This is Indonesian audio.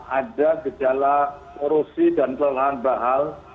dan ada gejala korusi dan kelelahan bahal